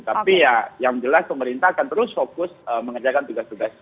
tapi ya yang jelas pemerintah akan terus fokus mengerjakan tugas tugas